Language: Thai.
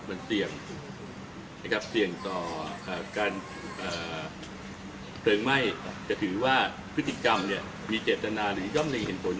มันเสี่ยงต่อการเพลิงไหม้จะถือว่าพฤติกรรมมีเจตนาหรือย่อมเรียงเห็นผล